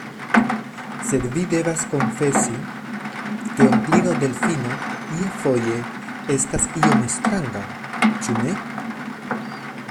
Sed vi devas konfesi, ke onklino Delfino iafoje estas iom stranga; ĉu ne?